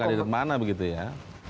kandidat mana begitu ya